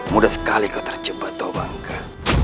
mudah sekali kau terjebak tau bangka